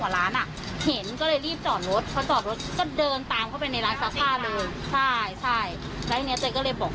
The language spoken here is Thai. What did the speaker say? แล้วโทรศัพท์ก็จะอยู่นี้แล้วจะเปิดกล้องตลอดเวลาโทรศัพท์